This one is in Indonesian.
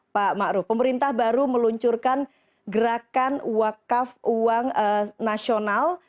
pak ma'ruf pemerintah baru meluncurkan gerakan wakaf uang nasional